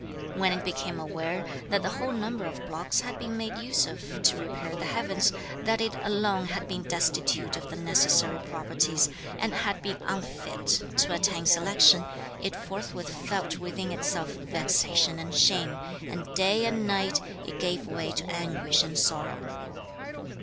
When it became aware that the whole number of blocks had been made use of to repair the heavens, that it alone had been destitute of the necessary properties and had been unfit to attain selection, it forthwith felt within itself vexation and shame, and day and night, it gave way to anguish and sorrow.